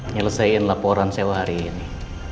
nyelesaikan laporan sewa hari ini